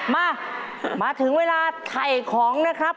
มามาถึงเวลาไถ่ของนะครับ